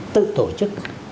tự tổ chức